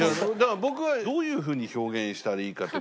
僕はどういうふうに表現したらいいかって。